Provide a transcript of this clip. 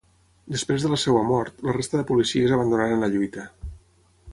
Després de la seva mort, la resta de policies abandonaren la lluita.